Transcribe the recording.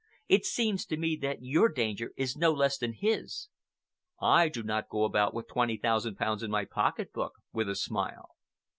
It seems to me that your danger is no less than his." "I do not go about with twenty thousand pounds in my pocket book," with a smile.